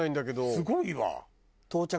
すごいわ。